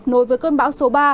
nối với cơn bão số ba